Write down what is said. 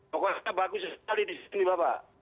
pokoknya bagus sekali di sini bapak